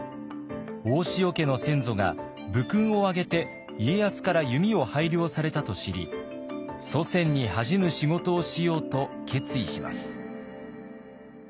大塩家の先祖が武勲をあげて家康から弓を拝領されたと知り祖先に恥じぬ仕事をしようと決意します。